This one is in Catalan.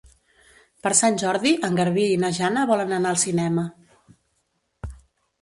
Per Sant Jordi en Garbí i na Jana volen anar al cinema.